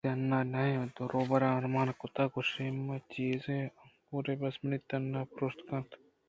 تُنّی ئیں روباہ ءَ ارمان کُت ءُ گوٛشتہمے چیز (انگُور) بس منی تُنّ ءَ پرٛوشت کننت